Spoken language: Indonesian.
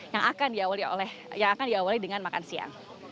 yang akan diawali dengan makan siang